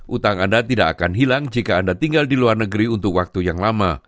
utang anda tidak akan hilang jika anda tinggal di luar negeri untuk waktu yang lama